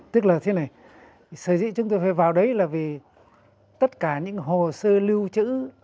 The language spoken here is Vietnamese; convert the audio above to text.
tức là thế này sở dĩ chúng tôi phải vào đấy là vì tất cả những hồ sơ lưu trữ